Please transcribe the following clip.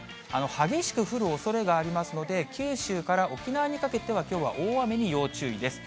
激しく降るおそれがありますので、九州から沖縄にかけては、きょうは大雨に要注意です。